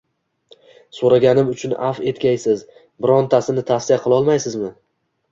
So`raganim uchun avf etgaysiz, birontasini tavsiya qilolmaysizmi